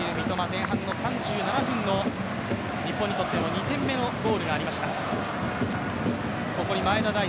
前半の３７分の日本にとっての２点目のゴールがありました。